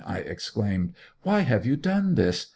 I exclaimed, 'why have you done this?'